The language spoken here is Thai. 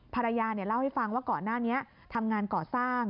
ภรรยาเล่าให้ฟังว่าก่อนหน้านี้ทำงานก่อสร้าง